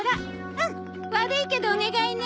うん悪いけどお願いね。